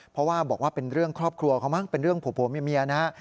เพราะว่าบอกว่าเป็นเรื่องครอบครัวเขามั้งเป็นเรื่องผัวเมียนะฮะ